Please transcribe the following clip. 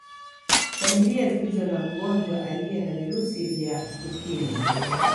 Familia zilizo na mgonjwa aliye na virusi vya Ukimwi